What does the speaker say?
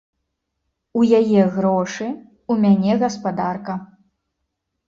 У яе грошы, у мяне гаспадарка.